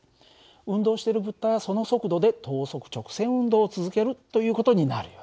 運動している物体はその速度で等速直線運動を続けるという事になるよね。